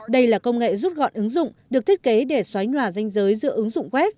đây là công nghệ rút gọn ứng dụng được thiết kế để xóa nhòa danh giới giữa ứng dụng web